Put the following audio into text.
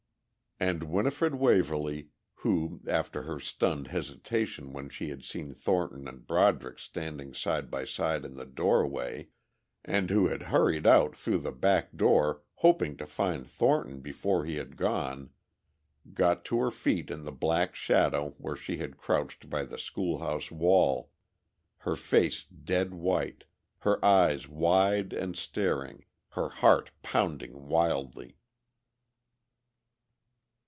And Winifred Waverly, who, after her stunned hesitation when she had seen Thornton and Broderick standing side by side in the doorway, and who had hurried out through the back door, hoping to find Thornton before he had gone, got to her feet in the black shadow where she had crouched by the school house wall, her face dead white, her eyes wide and staring, her heart pounding wildly.